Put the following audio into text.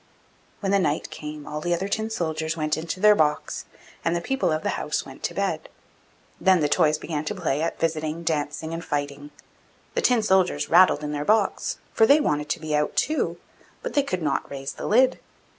When the night came all the other tin soldiers went into their box, and the people of the house went to bed. Then the toys began to play at visiting, dancing, and fighting. The tin soldiers rattled in their box, for they wanted to be out too, but they could not raise the lid.